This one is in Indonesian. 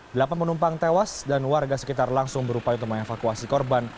delapan penumpang tewas dan warga sekitar langsung berupaya untuk mengevakuasi korban